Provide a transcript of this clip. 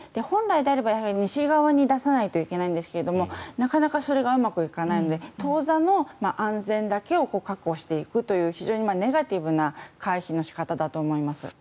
本来であれば西側に出さないといけないんですがなかなかそれがうまくいかないので当座の安全だけを確保していくという非常にネガティブな回避の仕方だと思います。